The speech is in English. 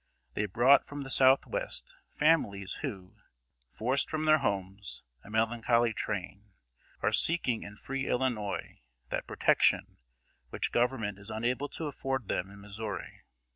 They brought from the Southwest families who, "Forced from their homes, a melancholy train, are seeking in free Illinois that protection which Government is unable to afford them in Missouri.